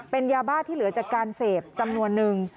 เป็นยาบ้าที่เหลือจากการเสพจำนวนนึง